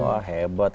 wah hebat ya